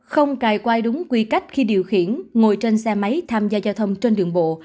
không cài qua đúng quy cách khi điều khiển ngồi trên xe máy tham gia giao thông trên đường bộ